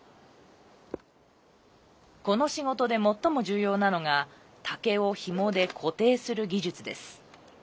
この仕事で最も重要なのが竹をひもで固定する技術です。